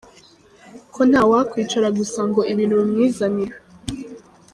Kuko nta wakwicara gusa ngo ibintu bimwizanire.